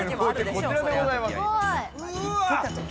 こちらでございます。